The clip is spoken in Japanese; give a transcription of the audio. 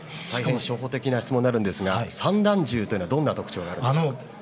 初歩的な質問になるんですが散弾銃というのはどんな特徴があるんですか。